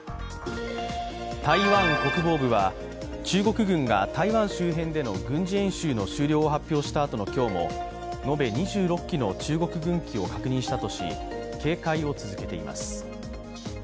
台湾国防部は中国軍が台湾周辺での軍事演習の終了を発表したあとの今日も延べ２６機の中国軍機を確認したとし、警戒を続けています。